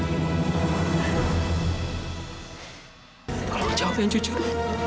tolong jawab yang jujur